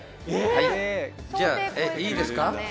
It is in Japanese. はい、じゃあいいですか？